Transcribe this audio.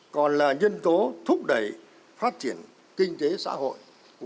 còn là nhân tố thúc đẩy phát triển kinh tế xã hội